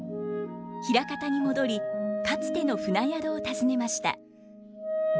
枚方に戻りかつての船宿を訪ねました。